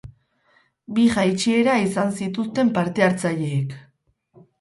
Bi jaitsiera izan zituzten parte hartzaileek.